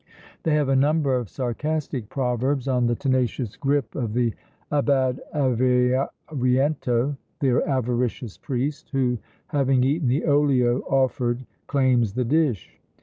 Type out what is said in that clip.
They have a number of sarcastic proverbs on the tenacious gripe of the "abad avariento," the avaricious priest, who, "having eaten the olio offered, claims the dish!"